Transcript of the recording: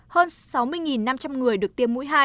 hơn sáu mươi năm trăm linh người